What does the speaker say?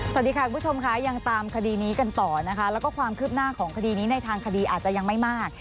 สวัสดีค่ะคุณผู้ชมค่ะยังตามคดีนี้กันต่อนะคะแล้วก็ความคืบหน้าของคดีนี้ในทางคดีอาจจะยังไม่มาก